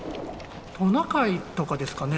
トナカイとかですかね？